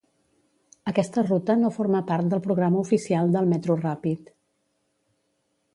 Aquesta ruta no forma part del programa oficial del Metro Rapid.